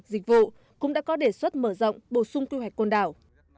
dịch vụ cũng đã có đề xuất mở rộng bổ sung quy hoạch con đảo